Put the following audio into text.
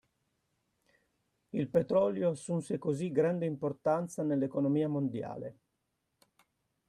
Il petrolio assunse così grande importanza nell'economia mondiale.